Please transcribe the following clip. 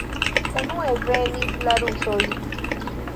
Unue venis la rusoj.